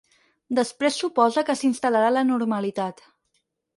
Després supose que s’instal·larà la normalitat.